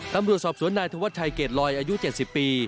ตำรวจสอบสวนนายธวัชชัยเกรดลอยอายุ๗๐ปี